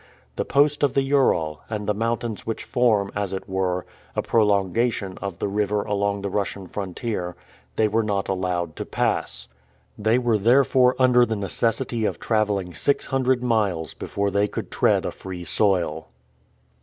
The post of the Ural, and the mountains which form, as it were, a prolongation of the river along the Russian frontier, they were not allowed to pass. They were therefore under the necessity of traveling six hundred miles before they could tread a free soil.